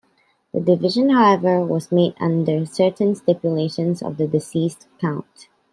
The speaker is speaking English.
The division, however, was made under certain stipulations of the deceased count.